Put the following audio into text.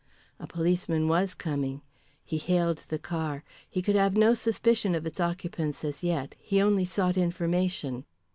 A policeman was coming. He hailed the car. He could have no suspicion of its occupants as yet, he only sought information.